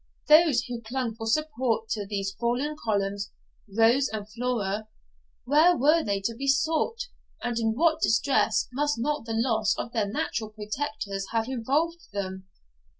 Those who clung for support to these fallen columns, Rose and Flora, where were they to be sought, and in what distress must not the loss of their natural protectors have involved them?